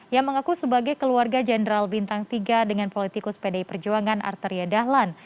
yang mengaku sebagai keluarga jenderal bintang tiga dengan politikus pdi perjuangan arteria dahlan